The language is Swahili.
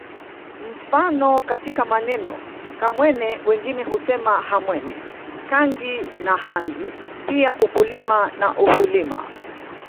Mfano katika maneno Kamwene wengine husema Hamwene Kangi na hangi pia ukukulima na uhulima